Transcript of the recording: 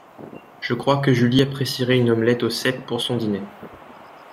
Je crois que Julie apprécierait une omelette aux cèpes pour son dîner.